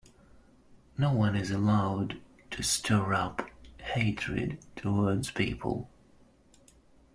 No one is allowed to stir up hatred towards people.